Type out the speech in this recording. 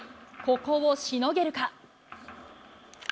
ここをしのげるか。